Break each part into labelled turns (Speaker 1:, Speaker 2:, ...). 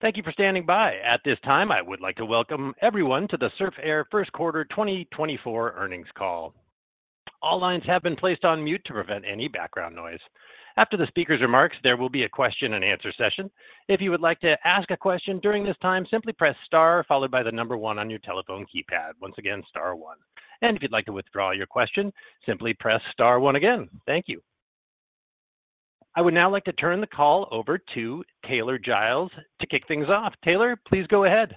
Speaker 1: Thank you for standing by. At this time, I would like to welcome everyone to the Surf Air First Quarter 2024 Earnings Call. All lines have been placed on mute to prevent any background noise. After the speaker's remarks, there will be a question and answer session. If you would like to ask a question during this time, simply press Star followed by the number one on your telephone keypad. Once again, Star one. If you'd like to withdraw your question, simply press Star one again. Thank you. I would now like to turn the call over to Taylor Giles to kick things off. Taylor, please go ahead.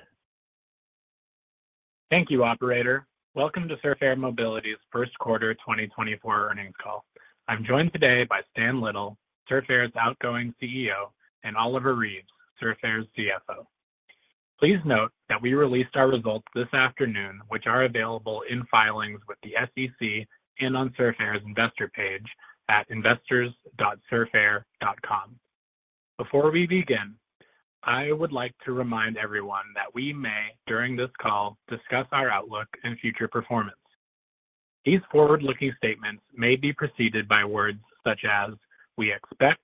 Speaker 2: Thank you, operator. Welcome to Surf Air Mobility's First Quarter 2024 earnings call. I'm joined today by Stan Little, Surf Air's outgoing CEO, and Oliver Reeves, Surf Air's CFO. Please note that we released our results this afternoon, which are available in filings with the SEC and on Surf Air's investor page at investors.surfair.com. Before we begin, I would like to remind everyone that we may, during this call, discuss our outlook and future performance. These forward-looking statements may be preceded by words such as: we expect,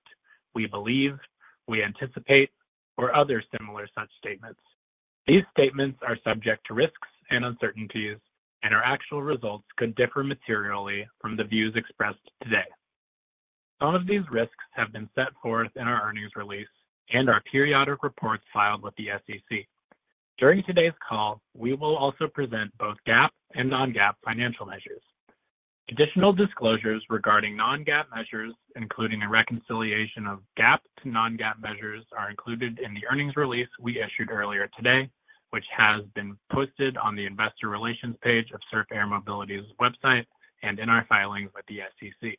Speaker 2: we believe, we anticipate, or other similar such statements. These statements are subject to risks and uncertainties, and our actual results could differ materially from the views expressed today. Some of these risks have been set forth in our earnings release and our periodic reports filed with the SEC. During today's call, we will also present both GAAP and non-GAAP financial measures. Additional disclosures regarding non-GAAP measures, including a reconciliation of GAAP to non-GAAP measures, are included in the earnings release we issued earlier today, which has been posted on the investor relations page of Surf Air Mobility's website and in our filings with the SEC.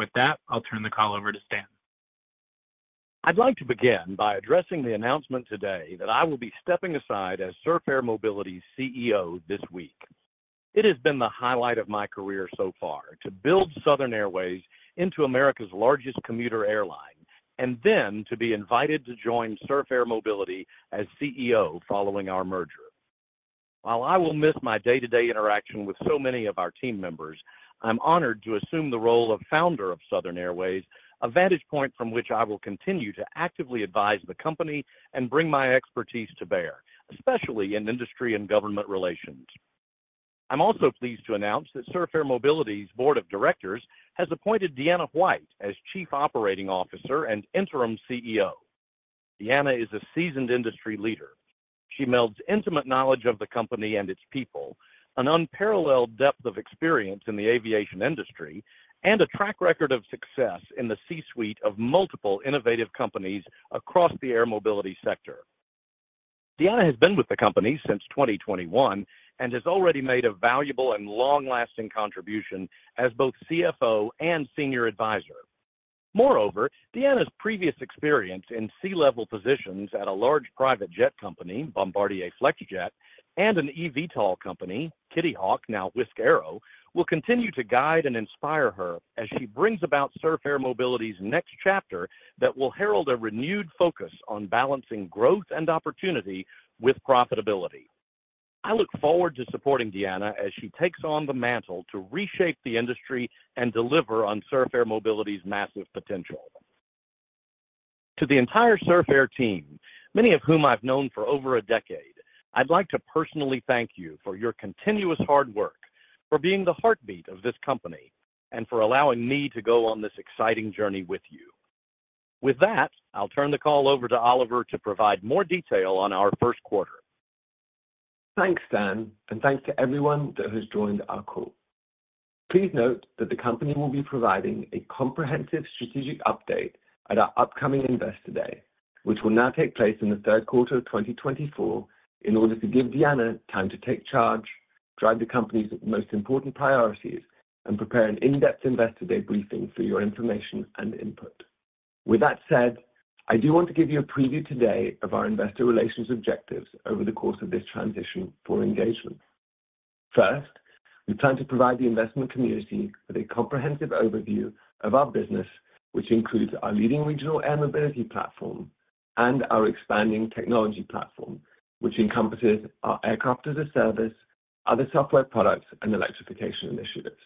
Speaker 2: With that, I'll turn the call over to Stan.
Speaker 3: I'd like to begin by addressing the announcement today that I will be stepping aside as Surf Air Mobility CEO this week. It has been the highlight of my career so far to build Southern Airways into America's largest commuter airline, and then to be invited to join Surf Air Mobility as CEO following our merger. While I will miss my day-to-day interaction with so many of our team members, I'm honored to assume the role of founder of Southern Airways, a vantage point from which I will continue to actively advise the company and bring my expertise to bear, especially in industry and government relations. I'm also pleased to announce that Surf Air Mobility's board of directors has appointed Deanna White as Chief Operating Officer and Interim CEO. Deanna is a seasoned industry leader. She melds intimate knowledge of the company and its people, an unparalleled depth of experience in the aviation industry, and a track record of success in the C-suite of multiple innovative companies across the air mobility sector. Deanna has been with the company since 2021 and has already made a valuable and long-lasting contribution as both CFO and senior advisor. Moreover, Deanna's previous experience in C-level positions at a large private jet company, Bombardier Flexjet, and an eVTOL company, Kitty Hawk, now Wisk Aero, will continue to guide and inspire her as she brings about Surf Air Mobility's next chapter that will herald a renewed focus on balancing growth and opportunity with profitability. I look forward to supporting Deanna as she takes on the mantle to reshape the industry and deliver on Surf Air Mobility's massive potential. To the entire Surf Air team, many of whom I've known for over a decade, I'd like to personally thank you for your continuous hard work, for being the heartbeat of this company, and for allowing me to go on this exciting journey with you. With that, I'll turn the call over to Oliver to provide more detail on our first quarter.
Speaker 4: Thanks, Stan, and thanks to everyone that has joined our call. Please note that the company will be providing a comprehensive strategic update at our upcoming Investor Day, which will now take place in the third quarter of 2024 in order to give Deanna time to take charge, drive the company's most important priorities, and prepare an in-depth Investor Day briefing for your information and input. With that said, I do want to give you a preview today of our investor relations objectives over the course of this transition for engagement. First, we plan to provide the investment community with a comprehensive overview of our business, which includes our leading regional air mobility platform and our expanding technology platform, which encompasses our aircraft as a service, other software products, and electrification initiatives.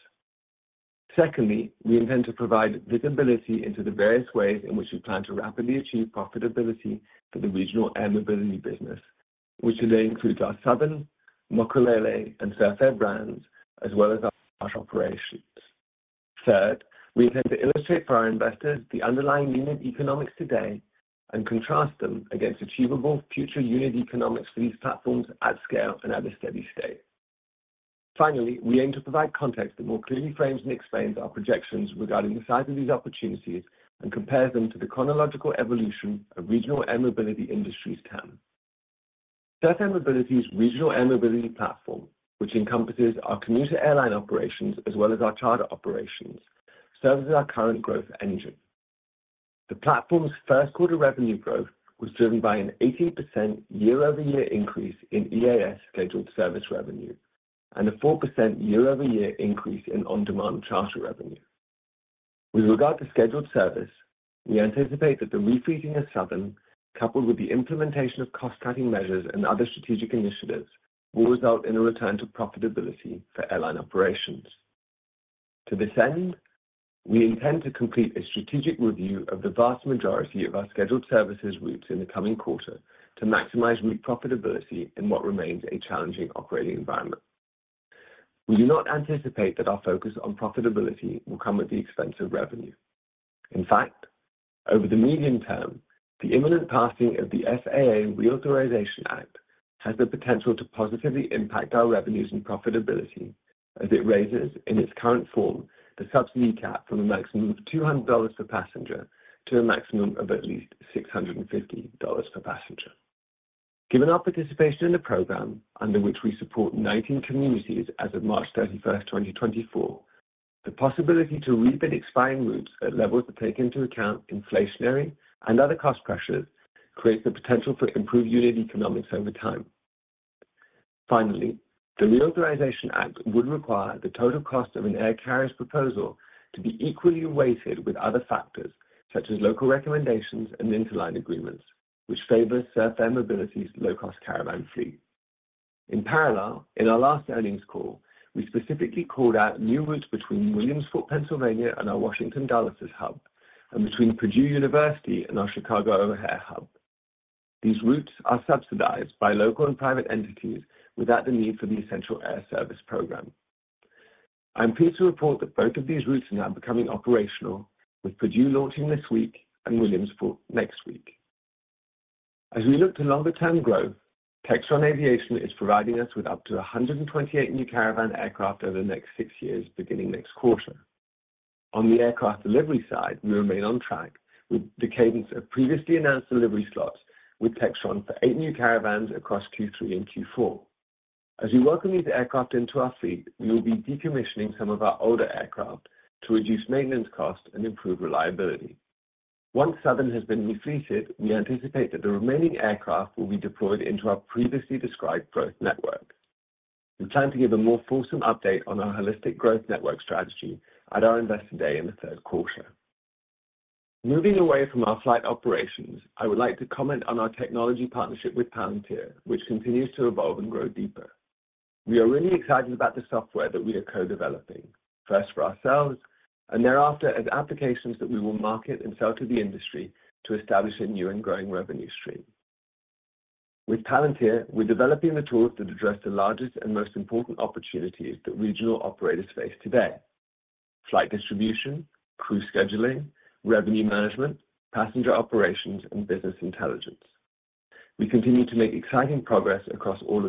Speaker 4: Secondly, we intend to provide visibility into the various ways in which we plan to rapidly achieve profitability for the regional air mobility business, which today includes our Southern, Mokulele, and Surf Air brands, as well as our operations. Third, we intend to illustrate for our investors the underlying unit economics today and contrast them against achievable future unit economics for these platforms at scale and at a steady state. Finally, we aim to provide context that more clearly frames and explains our projections regarding the size of these opportunities and compare them to the chronological evolution of regional air mobility industries can. Surf Air Mobility's regional air mobility platform, which encompasses our commuter airline operations as well as our charter operations, serves as our current growth engine. The platform's first quarter revenue growth was driven by an 80% year-over-year increase in EAS scheduled service revenue and a 4% year-over-year increase in on-demand charter revenue. With regard to scheduled service, we anticipate that the refleeting of Southern, coupled with the implementation of cost-cutting measures and other strategic initiatives, will result in a return to profitability for airline operations. To this end, we intend to complete a strategic review of the vast majority of our scheduled services routes in the coming quarter to maximize route profitability in what remains a challenging operating environment. We do not anticipate that our focus on profitability will come at the expense of revenue. In fact, over the medium term, the imminent passing of the FAA Reauthorization Act has the potential to positively impact our revenues and profitability as it raises, in its current form, the subsidy cap from a maximum of $200 per passenger to a maximum of at least $650 per passenger. Given our participation in the program, under which we support 19 communities as of March 31, 2024, the possibility to rebid expiring routes at levels that take into account inflationary and other cost pressures, creates the potential for improved unit economics over time. Finally, the Reauthorization Act would require the total cost of an air carrier's proposal to be equally weighted with other factors, such as local recommendations and interline agreements, which favor Surf Air Mobility's low-cost Caravan fleet. In parallel, in our last earnings call, we specifically called out new routes between Williamsport, Pennsylvania, and our Washington Dulles hub, and between Purdue University and our Chicago O'Hare hub. These routes are subsidized by local and private entities without the need for the Essential Air Service program. I am pleased to report that both of these routes are now becoming operational, with Purdue launching this week and Williamsport next week. As we look to longer-term growth, Textron Aviation is providing us with up to 128 new Caravan aircraft over the next 6 years, beginning next quarter. On the aircraft delivery side, we remain on track with the cadence of previously announced delivery slots with Textron for 8 new Caravans across Q3 and Q4. As we welcome these aircraft into our fleet, we will be decommissioning some of our older aircraft to reduce maintenance costs and improve reliability. Once Southern has been refleeted, we anticipate that the remaining aircraft will be deployed into our previously described growth network. We plan to give a more fulsome update on our holistic growth network strategy at our Investor Day in the third quarter. Moving away from our flight operations, I would like to comment on our technology partnership with Palantir, which continues to evolve and grow deeper. We are really excited about the software that we are co-developing, first for ourselves and thereafter as applications that we will market and sell to the industry to establish a new and growing revenue stream. With Palantir, we're developing the tools that address the largest and most important opportunities that regional operators face today: flight distribution, crew scheduling, revenue management, passenger operations, and business intelligence. We continue to make exciting progress across all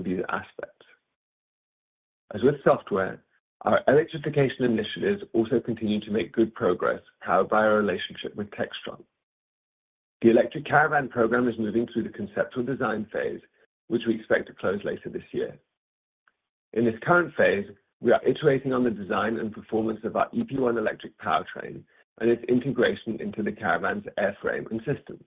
Speaker 4: of these aspects. As with software, our electrification initiatives also continue to make good progress powered by our relationship with Textron. The electric Caravan program is moving through the conceptual design phase, which we expect to close later this year. In this current phase, we are iterating on the design and performance of our EP-1 electric powertrain and its integration into the Caravan's airframe and systems.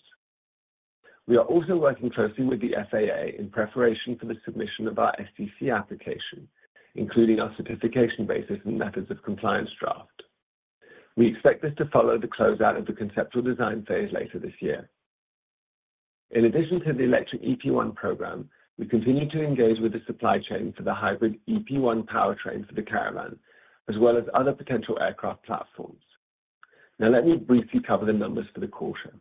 Speaker 4: We are also working closely with the FAA in preparation for the submission of our FAA application, including our certification basis and methods of compliance draft. We expect this to follow the closeout of the conceptual design phase later this year. In addition to the electric EP-1 program, we continue to engage with the supply chain for the hybrid EP-1 powertrain for the Caravan, as well as other potential aircraft platforms. Now, let me briefly cover the numbers for the quarter.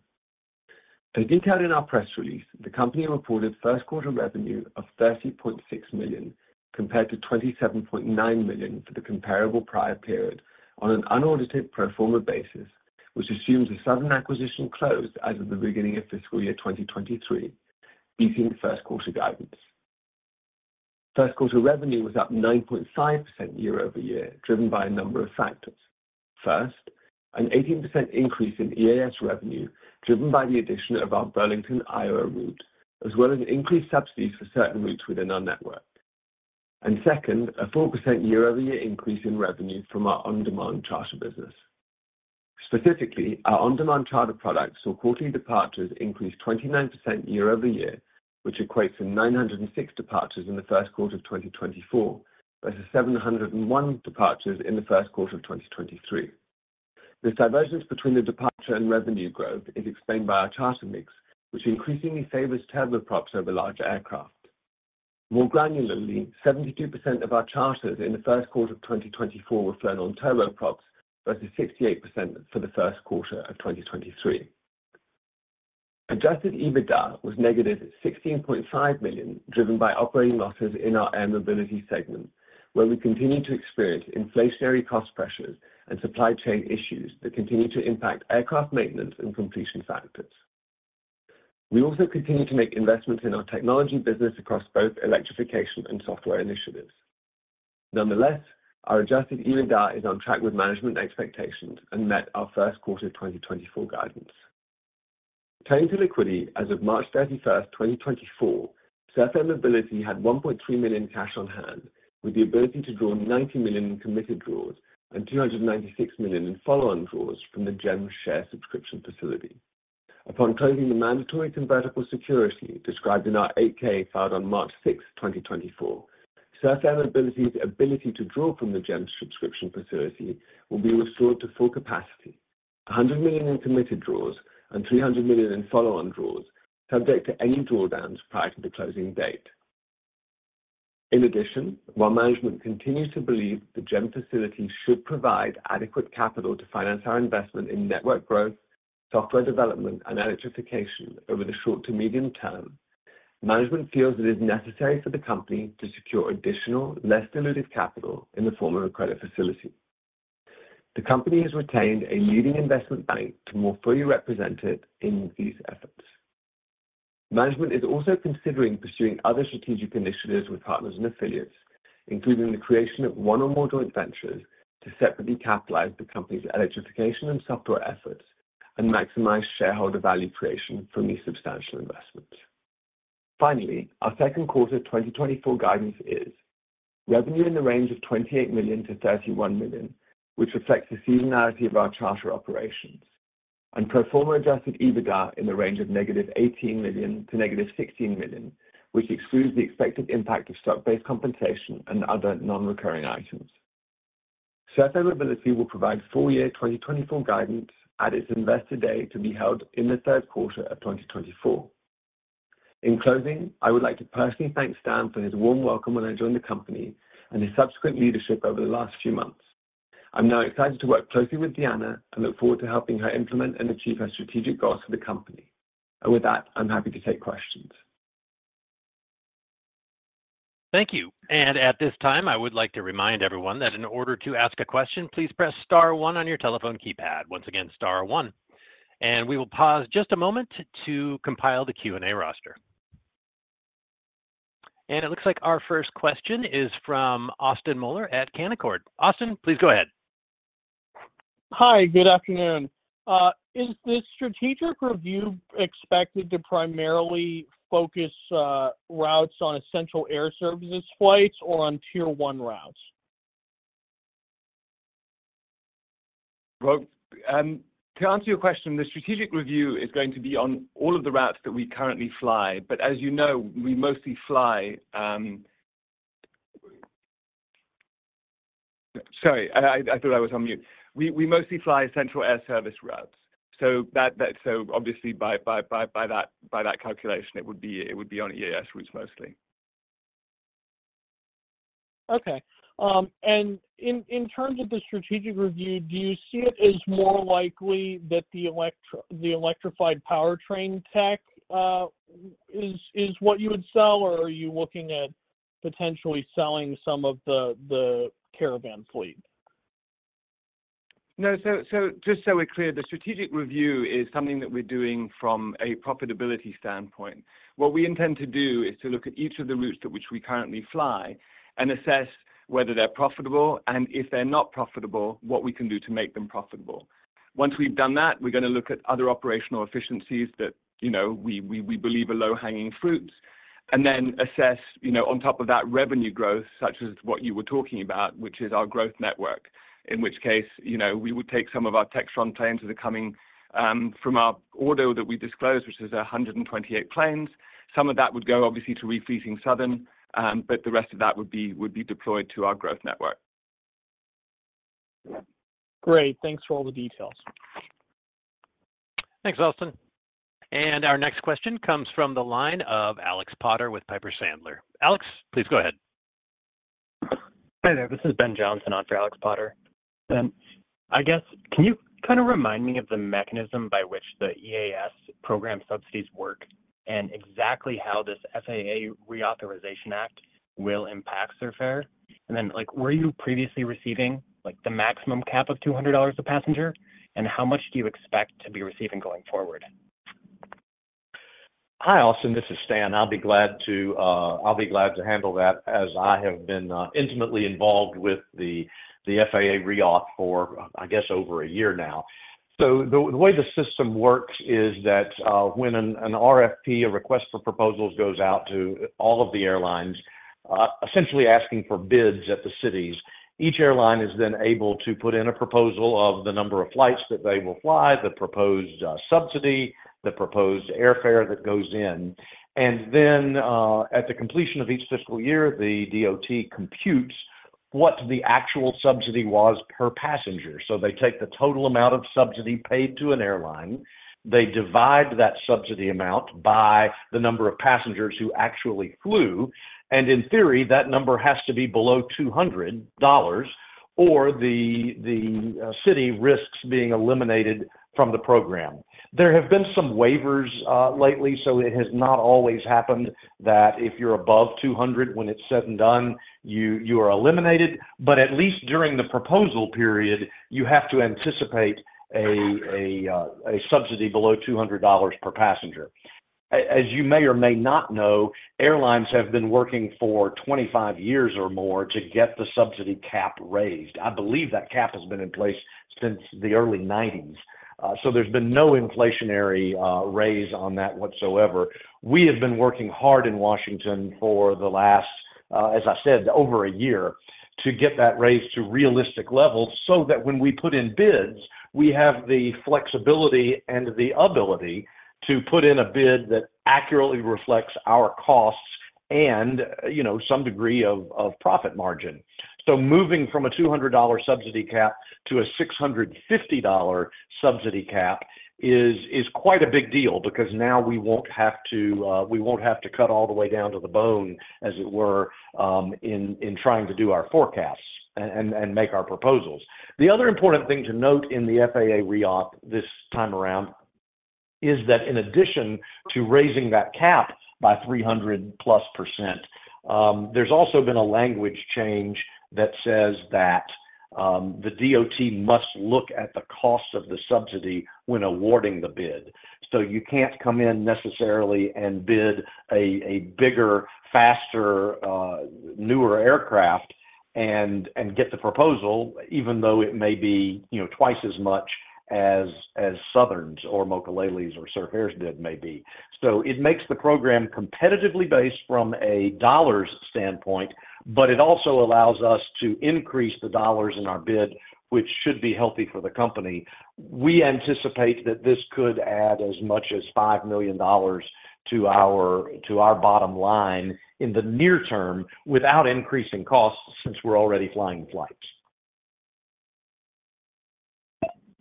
Speaker 4: As detailed in our press release, the company reported first quarter revenue of $30.6 million, compared to $27.9 million for the comparable prior period on an unaudited pro forma basis, which assumes the Southern acquisition closed as of the beginning of fiscal year 2023, beating first quarter guidance. First quarter revenue was up 9.5% year-over-year, driven by a number of factors. First, an 18% increase in EAS revenue, driven by the addition of our Burlington, Iowa route, as well as increased subsidies for certain routes within our network. And second, a 4% year-over-year increase in revenue from our on-demand charter business. Specifically, our on-demand charter products saw quarterly departures increase 29% year over year, which equates to 906 departures in the first quarter of 2024, versus 701 departures in the first quarter of 2023. This divergence between the departure and revenue growth is explained by our charter mix, which increasingly favors turboprops over larger aircraft. More granularly, 72% of our charters in the first quarter of 2024 were flown on turboprops, versus 68% for the first quarter of 2023. Adjusted EBITDA was negative $16.5 million, driven by operating losses in our air mobility segment, where we continue to experience inflationary cost pressures and supply chain issues that continue to impact aircraft maintenance and completion factors. We also continue to make investments in our technology business across both electrification and software initiatives. Nonetheless, our Adjusted EBITDA is on track with management expectations and met our first quarter 2024 guidance. Turning to liquidity, as of March 31, 2024, Surf Air Mobility had $1.3 million cash on hand, with the ability to draw $90 million in committed draws and $296 million in follow-on draws from the GEM share subscription facility. Upon closing the mandatory convertible security described in our 8-K filed on March 6, 2024, Surf Air Mobility's ability to draw from the GEM subscription facility will be restored to full capacity, $100 million in committed draws and $300 million in follow-on draws, subject to any drawdowns prior to the closing date.... In addition, while management continues to believe the GEM facility should provide adequate capital to finance our investment in network growth, software development, and electrification over the short to medium term, management feels it is necessary for the company to secure additional, less diluted capital in the form of a credit facility. The company has retained a leading investment bank to more fully represent it in these efforts. Management is also considering pursuing other strategic initiatives with partners and affiliates, including the creation of one or more joint ventures to separately capitalize the company's electrification and software efforts and maximize shareholder value creation from these substantial investments. Finally, our second quarter 2024 guidance is: revenue in the range of $28 million-$31 million, which reflects the seasonality of our charter operations, and pro forma Adjusted EBITDA in the range of -$18 million to -$16 million, which excludes the expected impact of stock-based compensation and other non-recurring items. Surf Air Mobility will provide full year 2024 guidance at its Investor Day, to be held in the third quarter of 2024. In closing, I would like to personally thank Stan for his warm welcome when I joined the company and his subsequent leadership over the last few months. I'm now excited to work closely with Deanna and look forward to helping her implement and achieve her strategic goals for the company. And with that, I'm happy to take questions.
Speaker 1: Thank you. At this time, I would like to remind everyone that in order to ask a question, please press star one on your telephone keypad. Once again, star one. We will pause just a moment to compile the Q&A roster. It looks like our first question is from Austin Moeller at Canaccord. Austin, please go ahead.
Speaker 5: Hi, good afternoon. Is this strategic review expected to primarily focus routes on Essential Air Services flights or on Tier one routes?
Speaker 4: Well, to answer your question, the strategic review is going to be on all of the routes that we currently fly. But as you know, we mostly fly. Sorry, I thought I was on mute. We mostly fly Essential Air Service routes, so that, so obviously by that calculation, it would be on EAS routes mostly.
Speaker 5: Okay. And in terms of the strategic review, do you see it as more likely that the electrified powertrain tech is what you would sell, or are you looking at potentially selling some of the Caravan fleet?
Speaker 4: No, so, so just so we're clear, the strategic review is something that we're doing from a profitability standpoint. What we intend to do is to look at each of the routes that which we currently fly and assess whether they're profitable, and if they're not profitable, what we can do to make them profitable. Once we've done that, we're going to look at other operational efficiencies that, you know, we believe are low-hanging fruits, and then assess, you know, on top of that revenue growth, such as what you were talking about, which is our growth network. In which case, you know, we would take some of our Textron planes that are coming from our order that we disclosed, which is 128 planes. Some of that would go obviously to refleeting Southern, but the rest of that would be deployed to our growth network.
Speaker 5: Great. Thanks for all the details.
Speaker 1: Thanks, Austin. Our next question comes from the line of Alex Potter with Piper Sandler. Alex, please go ahead.
Speaker 6: Hi, there. This is Ben Johnson on for Alex Potter. I guess, can you kind of remind me of the mechanism by which the EAS program subsidies work, and exactly how this FAA Reauthorization Act will impact Surf Air? And then, like, were you previously receiving, like, the maximum cap of $200 a passenger? And how much do you expect to be receiving going forward?
Speaker 3: Hi, Austin, this is Stan. I'll be glad to, I'll be glad to handle that, as I have been, intimately involved with the, the FAA Reauth for, I guess, over a year now. So the way the system works is that, when an, an RFP, a request for proposals, goes out to all of the airlines, essentially asking for bids at the cities, each airline is then able to put in a proposal of the number of flights that they will fly, the proposed, subsidy, the proposed airfare that goes in. And then, at the completion of each fiscal year, the DOT computes what the actual subsidy was per passenger. So they take the total amount of subsidy paid to an airline, they divide that subsidy amount by the number of passengers who actually flew, and in theory, that number has to be below $200, or the city risks being eliminated from the program. There have been some waivers lately, so it has not always happened that if you're above $200 when it's said and done, you are eliminated. But at least during the proposal period, you have to anticipate a subsidy below $200 per passenger. As you may or may not know, airlines have been working for 25 years or more to get the subsidy cap raised. I believe that cap has been in place since the early 1990s, so there's been no inflationary raise on that whatsoever. We have been working hard in Washington for the last as I said, over a year, to get that raised to realistic levels, so that when we put in bids, we have the flexibility and the ability to put in a bid that accurately reflects our costs and, you know, some degree of profit margin. So moving from a $200 subsidy cap to a $650 subsidy cap is quite a big deal, because now we won't have to, we won't have to cut all the way down to the bone, as it were, in trying to do our forecasts and make our proposals. The other important thing to note in the FAA reauthorization this time around is that in addition to raising that cap by 300%+, there's also been a language change that says that the DOT must look at the cost of the subsidy when awarding the bid. So you can't come in necessarily and bid a bigger, faster, newer aircraft and get the proposal, even though it may be, you know, twice as much as Southern's or Mokulele's or Surf Air's bid may be. So it makes the program competitively based from a dollars standpoint, but it also allows us to increase the dollars in our bid, which should be healthy for the company. We anticipate that this could add as much as $5 million to our bottom line in the near term, without increasing costs, since we're already flying the flights.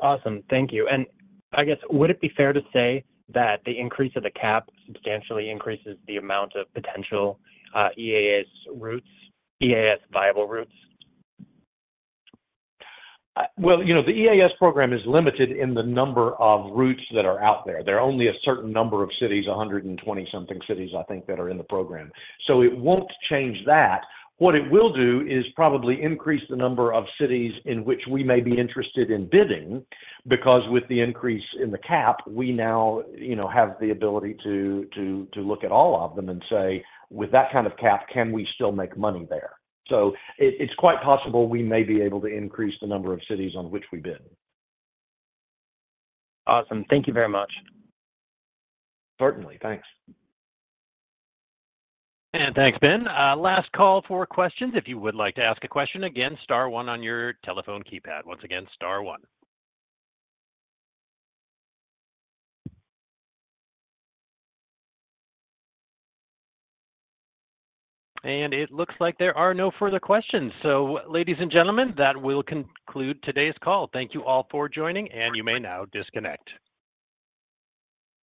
Speaker 6: Awesome. Thank you. And I guess, would it be fair to say that the increase of the cap substantially increases the amount of potential, EAS routes, EAS viable routes?
Speaker 3: Well, you know, the EAS program is limited in the number of routes that are out there. There are only a certain number of cities, 120-something cities, I think, that are in the program. So it won't change that. What it will do is probably increase the number of cities in which we may be interested in bidding, because with the increase in the cap, we now, you know, have the ability to look at all of them and say, "With that kind of cap, can we still make money there?" So it's quite possible we may be able to increase the number of cities on which we bid.
Speaker 6: Awesome. Thank you very much.
Speaker 3: Certainly. Thanks.
Speaker 1: Thanks, Ben. Last call for questions. If you would like to ask a question, again, star one on your telephone keypad. Once again, star one. It looks like there are no further questions. Ladies and gentlemen, that will conclude today's call. Thank you all for joining, and you may now disconnect.